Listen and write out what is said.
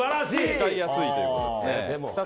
使いやすいということですね。